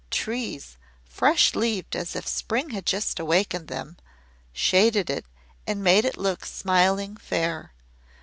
Trees fresh leaved as if spring had just awakened them shaded it and made it look smiling fair.